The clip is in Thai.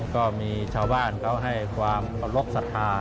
ก็มีชาวบ้านเขาให้ความเคารพสัทธา